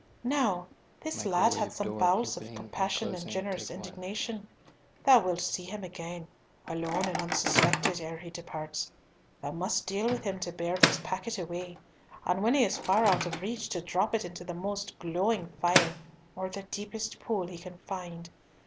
Now, this lad hath some bowels of compassion and generous indignation. Thou wilt see him again, alone and unsuspected, ere he departs. Thou must deal with him to bear this packet away, and when he is far out of reach to drop it into the most glowing fire, or the deepest pool he can find.